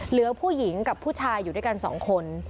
เหลือผู้หญิงกับผู้ชายอยู่ด้วยกัน๒คน